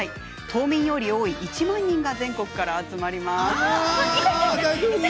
島民より多い１万人が全国から集まります。